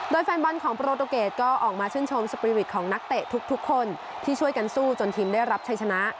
โดยแฟนบอลของโปรตูเกดก็ออกมาชื่นชมสปีริตของนักเตะทุกคนที่ช่วยกันสู้จนทีมได้รับชัยชนะ